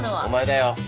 お前だよ。